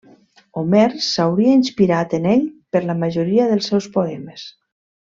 Homer s'hauria inspirat en ell per la majoria dels seus poemes.